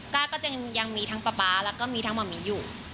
ก็จะยังมีทั้งป๊าป๊าแล้วก็มีทั้งหมอหมีอยู่